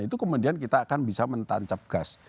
itu kemudian kita akan bisa mentancap gas